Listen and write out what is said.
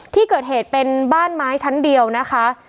ที่เกิดเหตุเป็นบ้านไม้ชั้นเดียวนะคะ